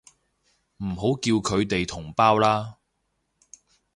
唔好叫佢哋同胞啦